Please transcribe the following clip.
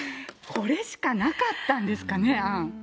これしかなかったんですかね、案。